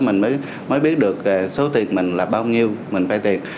mình mới biết được số tiền mình là bao nhiêu mình vay tiền